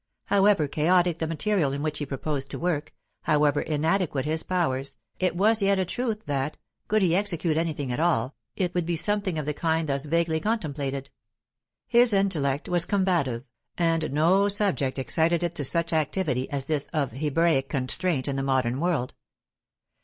However chaotic the material in which he proposed to work, however inadequate his powers, it was yet a truth that, could he execute anything at all, it would be something of the kind thus vaguely contemplated. His intellect was combative, and no subject excited it to such activity as this of Hebraic constraint in the modern world.